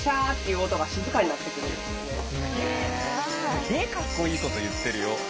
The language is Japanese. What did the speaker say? すげえかっこいいこと言ってるよ。